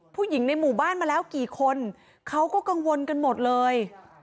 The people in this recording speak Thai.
ผู้หญิงในหมู่บ้านมาแล้วกี่คนเขาก็กังวลกันหมดเลย